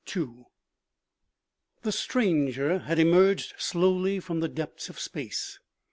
THE stranger had emerged slowly from the depths of space.